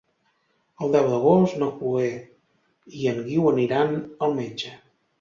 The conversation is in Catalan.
El deu d'agost na Chloé i en Guiu aniran al metge.